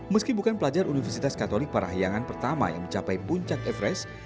meski bukan pelajar universitas katolik parahyangan pertama yang mencapai puncak everest